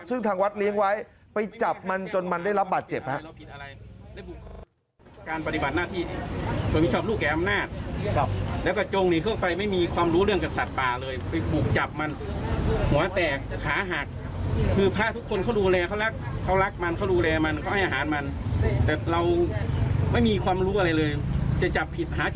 ซึ่งทางวัดเลี้ยงไว้ไปจับมันจนมันได้รับบาดเจ็บครับ